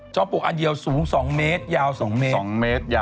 จ้อมปลูกอันเดียวสูงสองเมตรยาวสองเมตร